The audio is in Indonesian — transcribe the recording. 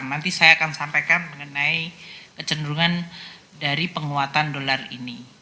nanti saya akan sampaikan mengenai kecenderungan dari penguatan dolar ini